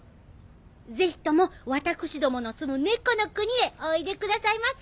ぜひとも私どもの住む猫の国へおいでくださいませ！